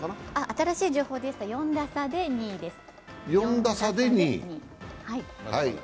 新しい情報ですと、４打差で２位です。